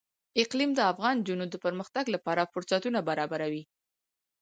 اقلیم د افغان نجونو د پرمختګ لپاره فرصتونه برابروي.